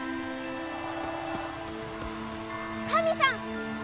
神さん！